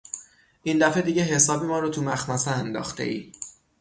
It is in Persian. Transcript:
این دفعه دیگه حسابی مارو تو مخمصه انداختهای!